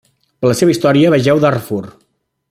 Per la seva història vegeu Darfur.